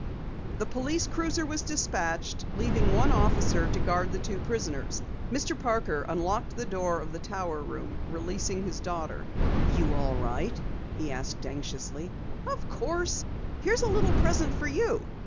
The police cruiser was dispatched, leaving one officer to guard the two prisoners. Mr. Parker unlocked the door of the tower room, releasing his daughter. "You're all right?" he asked anxiously. "Of course. Here's a little present for you."